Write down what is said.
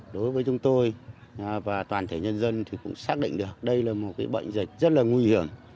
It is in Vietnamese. đối với chúng tôi và toàn thể nhân dân thì cũng xác định được đây là một bệnh dịch rất là nguy hiểm